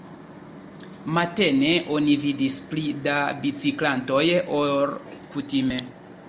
Matene oni vidis pli da biciklantoj ol kutime.